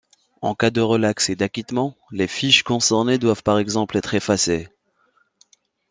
En cas de relaxe et d’acquittement, les fiches concernées doivent par exemple être effacées.